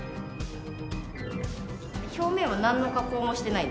表面はなんの加工もしてない。